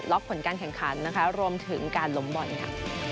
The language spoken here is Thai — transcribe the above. ผลการแข่งขันนะคะรวมถึงการล้มบ่อยค่ะ